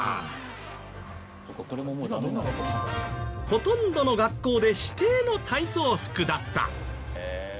ほとんどの学校で指定の体操服だった。